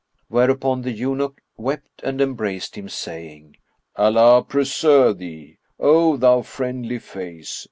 Whereupon the eunuch wept and embraced him, saying, "Allah preserve thee, O thou friendly face!